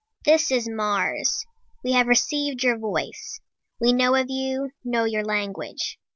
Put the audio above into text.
"_This is Mars. We have received your voice. We know of you, know your language.